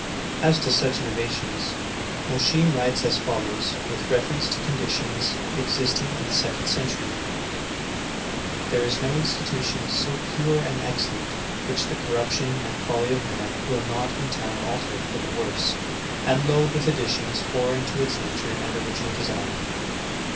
3. As to such innovations, Alosheim writes as follows, with reference to conditions existing in the second century : "There is no institution so pure and excellent which the corruption and folly of man will not in time alter for the worse, and load with additions foreign to its nature and original design.